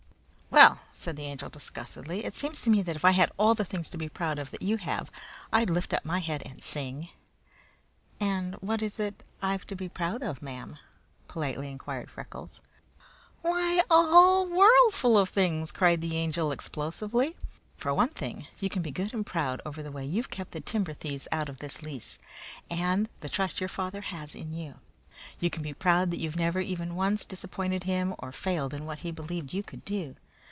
"Well," said the Angel disgustedly, "it seems to me that if I had all the things to be proud of that you have, I'd lift up my head and sing!" "And what is it I've to be proud of, ma'am?" politely inquired Freckles. "Why, a whole worldful of things," cried the Angel explosively. "For one thing, you can be good and proud over the way you've kept the timber thieves out of this lease, and the trust your father has in you. You can be proud that you've never even once disappointed him or failed in what he believed you could do.